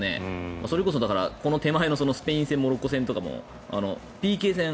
それこそこの前のスペイン戦、モロッコ戦ＰＫ戦で。